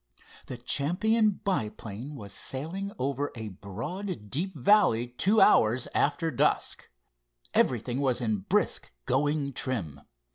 The champion biplane was sailing over a broad, deep valley two hours after dusk. Everything was in brisk going trim.